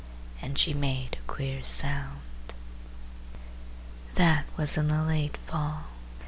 And she made a queer sound. That was in the late fall.